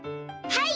はい！